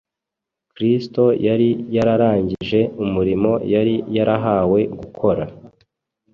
Kristo yari yararangije umurimo yari yarahawe gukora.